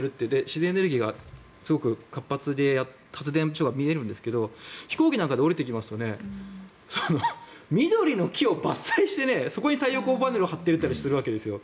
自然エネルギーがすごく活発で発電所が見えるんですけど飛行機なんかで降りてきますと緑の木を伐採してそこに太陽光パネルを張っていたりするわけですよ。